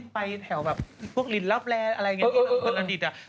ไปแถวแบบพวกหลินรับแร้อะไรอย่างงี้อือ